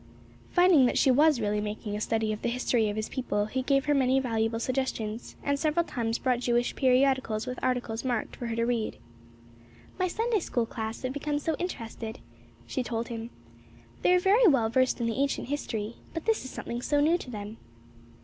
Finding that she was really making a study of the history of his people, he gave her many valuable suggestions, and several times brought Jewish periodicals with articles marked for her to read. "My Sunday school class have become so interested," she told him. "They are very well versed in the ancient history, but this is something so new to them."